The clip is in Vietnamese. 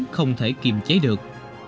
không thể kiềm chế được